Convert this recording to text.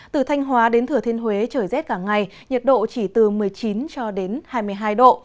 từ thanh hóa đến thừa thiên huế trời rét cả ngày nhiệt độ chỉ từ một mươi chín cho đến hai mươi hai độ